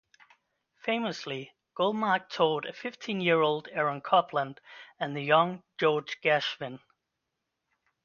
Famously, Goldmark taught a fifteen-year-old Aaron Copland and the young George Gershwin.